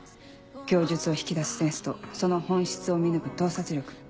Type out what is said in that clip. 供述を引き出すセンスとその本質を見抜く洞察力。